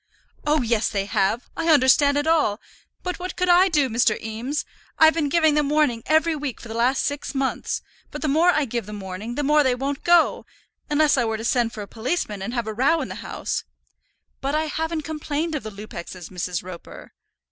"Oh, yes, they have; I understand it all. But what could I do, Mr. Eames? I've been giving them warning every week for the last six months; but the more I give them warning, the more they won't go. Unless I were to send for a policeman, and have a row in the house " "But I haven't complained of the Lupexes, Mrs. Roper."